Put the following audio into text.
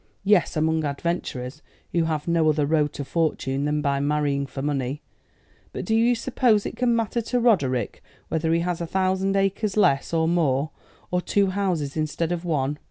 "Yes, among adventurers who have no other road to fortune than by marrying for money; but do you suppose it can matter to Roderick whether he has a thousand acres less or more, or two houses instead of one?